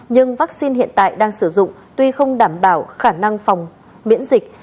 nhưng vắc xin hiện tại đang sử dụng tuy không đảm bảo khả năng phòng miễn dịch